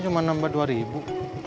cuma nambah dua ribu